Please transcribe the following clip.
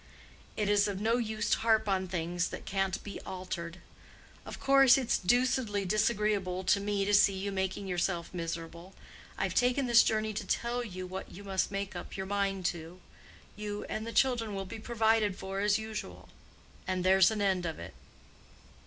It is of no use to harp on things that can't be altered. Of course, its deucedly disagreeable to me to see you making yourself miserable. I've taken this journey to tell you what you must make up your mind to—you and the children will be provided for as usual—and there's an end of it."